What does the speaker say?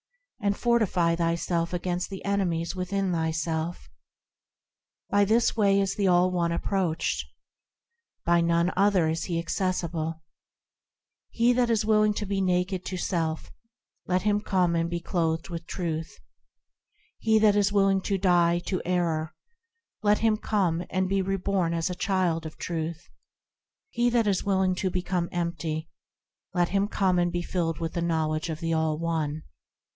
And fortify thyself against the enemies within thyself. By this way is the All One approached, By none other is He accessible; He that is willing to be naked to self, let him come and be clothed with Truth ; He that is willing to die to error, let him come and be reborn as a child of Truth; He that is willing to become empty, let him come and be filled with the knowledge of the All One.